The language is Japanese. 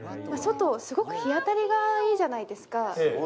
外、すごく日当たりがいいじゃないですか。